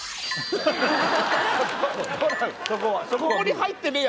そこに入ってねえ